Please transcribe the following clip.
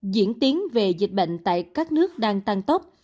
diễn tiến về dịch bệnh tại các nước đang tăng tốc